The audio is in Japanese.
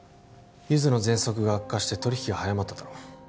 ゆづのぜんそくが悪化して取引が早まっただろ